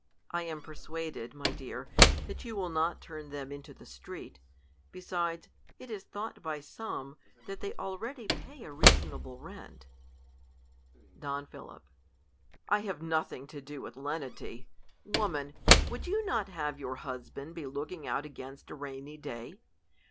1 am persuaded, my dear, that you will not turn them into the street. Be sides, it is thought by some, that they already pay '' reasonable rent. Don P. THE COLUMBIAN ORATOR. 39 "Don P, I have nothing to do with lenity. Woman, would you not have your husband be looking out ai^ainst a rainy day